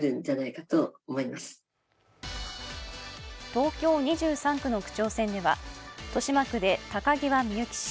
東京２３区の区長選では豊島区で高際みゆき氏